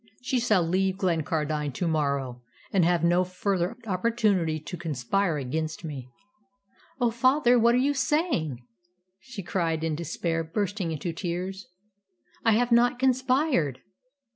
She shall leave Glencardine to morrow, and have no further opportunity to conspire against me." "Oh, father, what are you saying?" she cried in despair, bursting into tears. "I have not conspired."